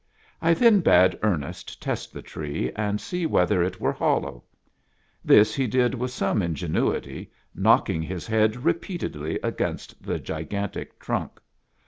I then bade Ernest test the tree, and see whether it were hollow. This he did with some ingenuity, knocking his head repeatedly against the gigantic trunk.